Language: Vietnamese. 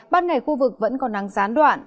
ban ngày khu vực vẫn còn nắng gián đoạn